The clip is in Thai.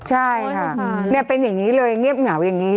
ใช่ค่ะเป็นอย่างนี้เลยเงียบเหงาอย่างนี้